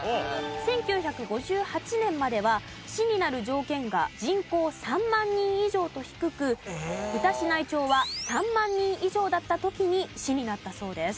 １９５８年までは市になる条件が人口３万人以上と低く歌志内町は３万人以上だった時に市になったそうです。